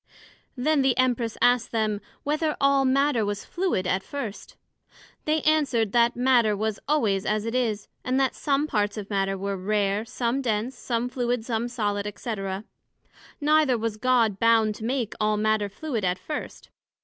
Then the Empress asked them, Whether all Matter was fluid at first? They answered, That Matter was always as it is, and that some parts of Matter were rare, some dense, some fluid, some solid, &c. Neither was God bound to make all Matter fluid at first.